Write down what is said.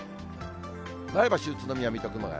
前橋、宇都宮、水戸、熊谷。